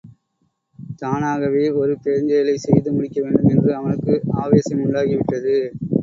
தானாகவே ஒரு பெருஞ்செயலைச் செய்து முடிக்க வேண்டும் என்று அவனுக்கு ஆவேசமுண்டாகிவிட்டது.